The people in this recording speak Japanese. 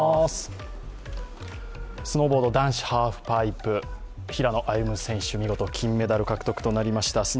スノーボード男子ハーフパイプ平野歩夢選手、見事、金メダル獲得となりました。